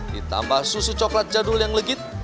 ditambah susu coklat jadul yang legit